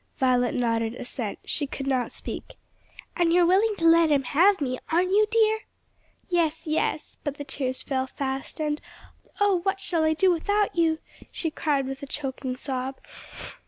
Violet nodded assent: she could not speak. "And you're willing to let him have me, aren't you, dear?" "Yes, yes," but the tears fell fast, and "Oh, what shall I do without you?" she cried with a choking sob.